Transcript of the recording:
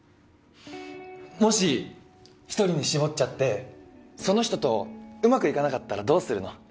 もし１人に絞っちゃってその人とうまくいかなかったらどうするの？